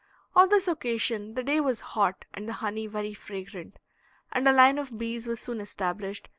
On this occasion the day was hot and the honey very fragrant, and a line of bees was soon established S.